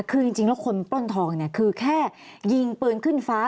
คือจริงแล้วคนป้นทองแค่ยิงปืนขึ้นฟ้า